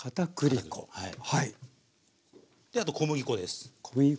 あと小麦粉です。